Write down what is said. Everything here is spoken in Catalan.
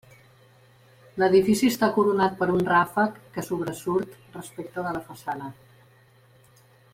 L'edifici està coronat per un ràfec que sobresurt respecte de la façana.